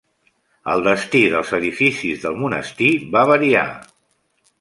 El destí dels edificis del monestir va variar.